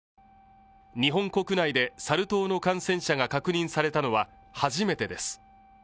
日本国内でサル痘の感染者が確認されたのは初めてです。